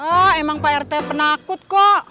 wah emang pak rt penakut kok